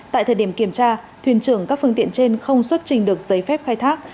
tại thời điểm kiểm tra thuyền trưởng các phương tiện trên không xuất trình được giấy phép khai thác